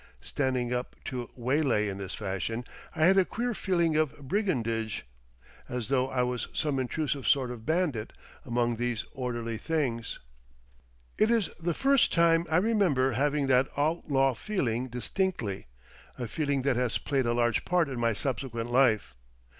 Standing up to waylay in this fashion I had a queer feeling of brigandage, as though I was some intrusive sort of bandit among these orderly things. It is the first time I remember having that outlaw feeling distinctly, a feeling that has played a large part in my subsequent life.